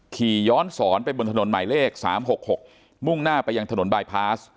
ขี่ย้อนสอนไปบนถนนใหม่เลขสามหกหกมุ่งหน้าไปยังถนนบายพลาส